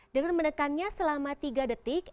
dengan menekannya selama tiga detik